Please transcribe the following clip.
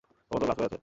ও তো গ্লাভস পড়ে আছে।